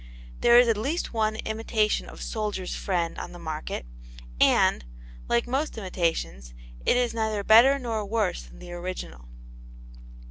There is at least one imitation of Soldier's Friend on the market, and, like most imitations, it is neither better nor worse than the original.